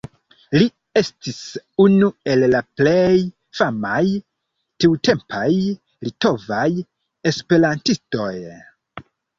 Li estis unu el la plej famaj tiutempaj litovaj esperantistoj.